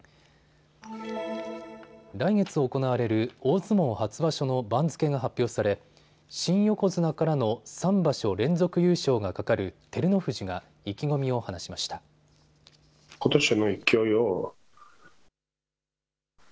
来月行われる大相撲初場所の番付が発表され新横綱からの３場所連続優勝がかかる照ノ富士が意気込みを話しました。